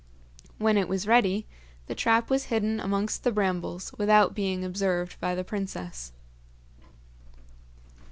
When it was ready, the trap was hidden amongst the brambles without being observed by the princess.